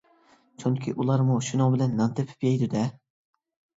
چۈنكى ئۇلارمۇ شۇنىڭ بىلەن نان تېپىپ يەيدۇ-دە.